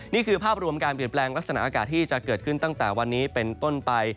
นี่คือภาพรวมการเปลี่ยนแปลงลักษณะอากาศที่จะเกิดขึ้นตั้งแต่วันนี้เป็นต้นไป